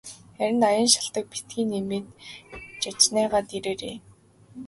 Харин аян шалтаг битгий нэмээд жайжганачхаад ирээрэй.